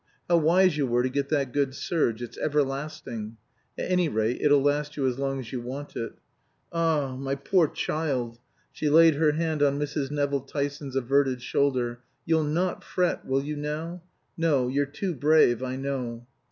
How wise you were to get that good serge. It's everlasting. At any rate it'll last you as long as you want it. Ah h! My poor child" she laid her hand on Mrs. Nevill Tyson's averted shoulder "you'll not fret, will you, now? No you're too brave, I know.